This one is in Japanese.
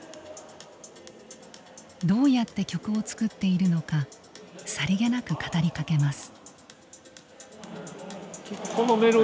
どうやって曲を作っているのかさりげなく語りかけます。